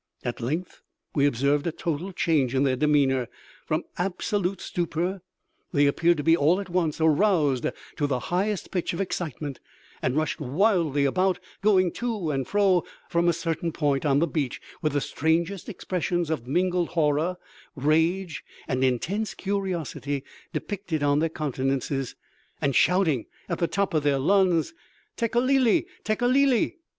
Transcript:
At length we observed a total change in their demeanour. From absolute stupor, they appeared to be, all at once, aroused to the highest pitch of excitement, and rushed wildly about, going to and from a certain point on the beach, with the strangest expressions of mingled horror, rage, and intense curiosity depicted on their countenances, and shouting, at the top of their voices, "Tekeli li! Tekeli li!"